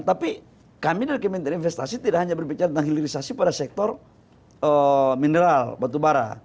tapi kami dari kementerian investasi tidak hanya berbicara tentang hilirisasi pada sektor mineral batubara